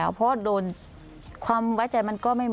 เธอจะบอกว่าเธอจะบอกว่าเธอจะบอกว่า